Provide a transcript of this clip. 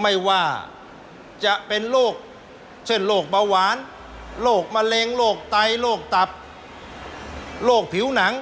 ไม่ว่าจะเป็นโรคเช่นโรคเบาหวานโรคมะเร็งโรคไตโรคตับโรคผิวหนัง